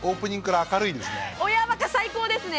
親バカ最高ですね！